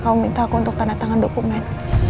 kamu minta aku untuk tanda tangan dokumen